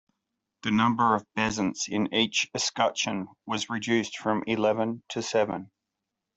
The number of bezants in each escutcheon was reduced from eleven to seven.